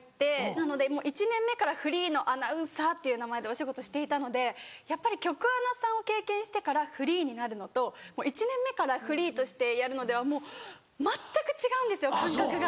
なので１年目からフリーのアナウンサーっていう名前でお仕事していたのでやっぱり局アナさんを経験してからフリーになるのと１年目からフリーとしてやるのではもう全く違うんですよ感覚が。